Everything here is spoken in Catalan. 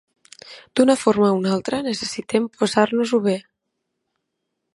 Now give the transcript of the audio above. D'una forma o una altra, necessitem passar-nos-ho bé.